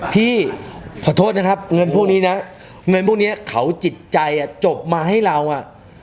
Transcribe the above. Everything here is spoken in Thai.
พี่ขอโทษนะครับเงินพวกนี้นะเงินพวกนี้เขาจิตใจอ่ะจบมาให้เราอ่ะ